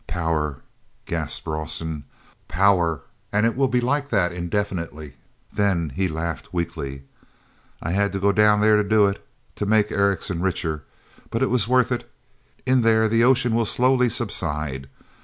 "Power!" gasped Rawson. "Power—and it will be like that indefinitely!" Then he laughed weakly. "I had to go down there to do it, to make Erickson richer, but it was worth it. In there the ocean will slowly subside.